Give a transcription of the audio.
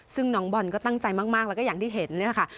ซึ่งน้องบอลก็ตั้งใจมากแล้วก็อย่างที่เห็นเนี่ยค่ะ